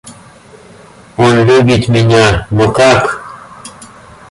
Он любит меня — но как?